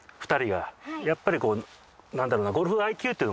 ２人がやっぱりこうなんだろうな。